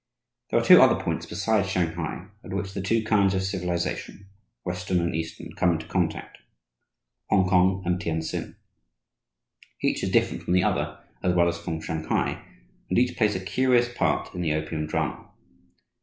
There are two other points, besides Shanghai, at which the two kinds of civilization, Western and Eastern, come into contact Hongkong and Tientsin. Each is different from the other as well as from Shanghai; and each plays a curious part in the opium drama.